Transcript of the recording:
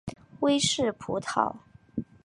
威氏葡萄